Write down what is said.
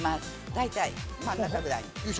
大体、真ん中ぐらい。